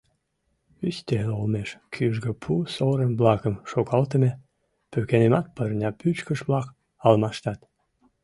Ӱстел олмеш кӱжгӧ пу сорым-влакым шогалтыме, пӱкенымат пырня пӱчкыш-влак алмаштат.